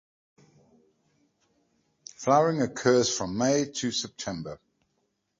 Flowering occurs from May to September.